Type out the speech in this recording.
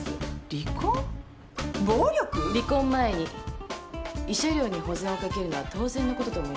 離婚前に慰謝料に保全をかけるのは当然のことと思いますけど。